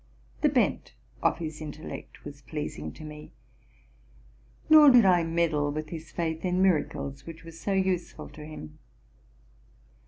The bent of his intellect was pleasing to me; nor did I meddle with his faith in miracles, which was so useful to him.